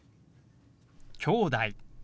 「きょうだい」。